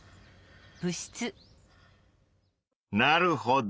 なるほど。